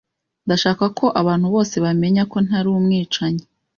Ndashaka ko abantu bose bamenya ko ntari umwicanyi.